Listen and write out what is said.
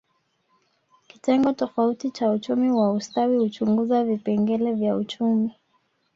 Kitengo tofauti cha uchumi wa ustawi huchunguza vipengele vya uchumi